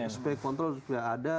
supaya kontrol juga ada